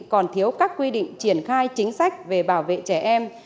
còn thiếu các quy định triển khai chính sách về bảo vệ trẻ em